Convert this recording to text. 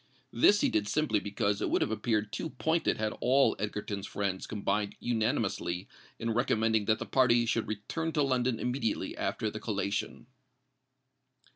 This he did simply because it would have appeared too pointed had all Egerton's friends combined unanimously in recommending that the party should return to London immediately after the collation.